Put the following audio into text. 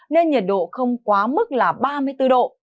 nên nhiệt độ không quá mức là ba mươi bốn độ